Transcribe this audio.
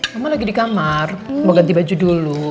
kamu lagi di kamar mau ganti baju dulu